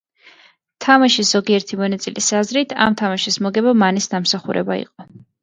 თამაშის ზოგიერთი მონაწილის აზრით, ამ თამაშის მოგება მანეს დამსახურება იყო.